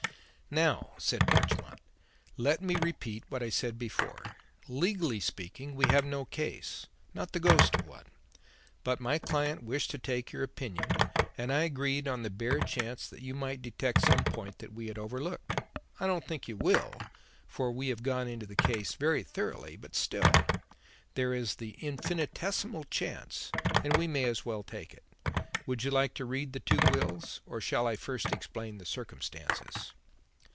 "Now," said Marchmont, "let me repeat what I said before. Legally speaking, we have no case not the ghost of one. But my client wished to take your opinion, and I agreed on the bare chance that you might detect some point that we had overlooked. I don't think you will, for we have gone into the case very thoroughly, but still, there is the infinitesimal chance and we may as well take it. Would you like to read the two wills, or shall I first explain the circumstances?"